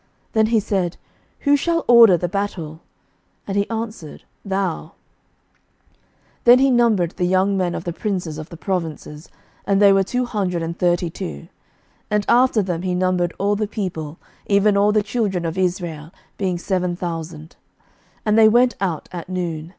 Then he said, Who shall order the battle? And he answered, Thou. 11:020:015 Then he numbered the young men of the princes of the provinces, and they were two hundred and thirty two: and after them he numbered all the people, even all the children of Israel, being seven thousand. 11:020:016 And they went out at noon.